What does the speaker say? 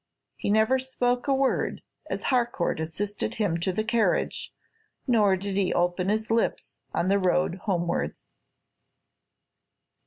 He never spoke a word as Harcourt assisted him to the carriage, nor did he open his lips on the road homewards.